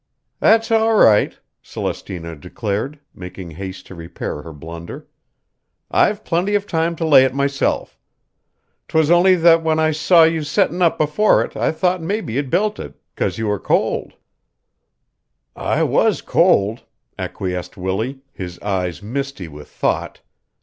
"That's all right," Celestina declared, making haste to repair her blunder. "I've plenty of time to lay it myself. 'Twas only that when I saw you settin' up before it I thought mebbe you'd built it 'cause you were cold." "I was cold," acquiesced Willie, his eyes misty with thought.